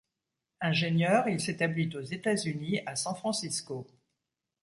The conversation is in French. Ingénieur, il s’établit aux États-Unis à San Francisco.